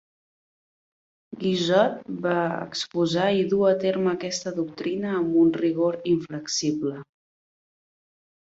Guizod va exposar i dur a terme aquesta doctrina amb un rigor inflexible.